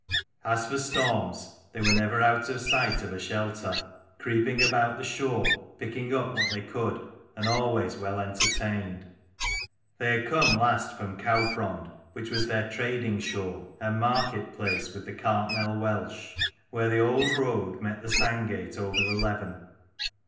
As for storms, they were never out of sight of a shelter, creeping about the shore, picking up what they could, and always well entertained. They had come last from Cowprond, which was their "trading shore" and market place with the Cartmel Welsh, where the old road met the Sandgate over the Leven.